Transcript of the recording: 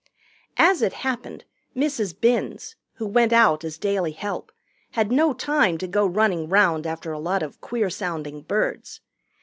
As it happened, Mrs. Binns, who went out as daily help, had no time to go running round after a lot of queer sounding birds.